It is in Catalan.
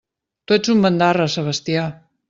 Tu ets un bandarra, Sebastià!